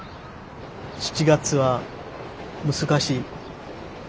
７月は難しい。